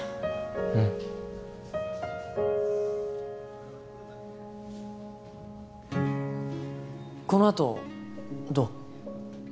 うんこのあとどう？